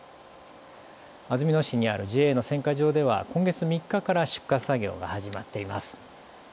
安曇野市にあるＪＡの選果場では今月３日から出荷作業が始まっています。